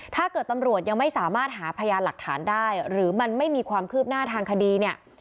ถ้าเกิดตำรวจยังไม่สามารถหาพยานหลักฐานได้หรือมันไม่มีความคืบหน้าทางคดีเนี่ย